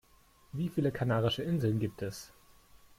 Wie viele Kanarische Inseln gibt es?